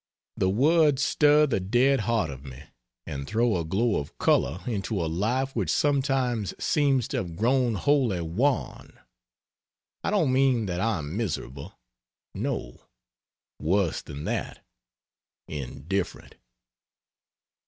The words stir the dead heart of me, and throw a glow of color into a life which sometimes seems to have grown wholly wan. I don't mean that I am miserable; no worse than that indifferent.